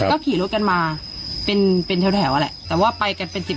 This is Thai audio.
ก็ขี่รถกันมาเป็นแถวแหละแต่ว่าไปกันเป็น๑๐๐๐๐อ่ะ